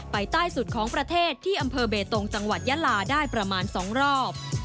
ไปใต้สุดของประเทศที่อำเภอเบตงจังหวัดยาลาได้ประมาณ๒รอบ